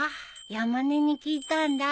山根に聞いたんだ。